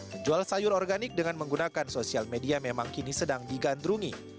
menjual sayur organik dengan menggunakan sosial media memang kini sedang digandrungi